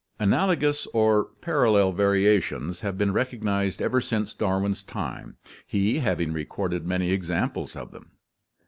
— Analogous or parallel variations have been recognized ever since Darwin's time, he having recorded many examples of them.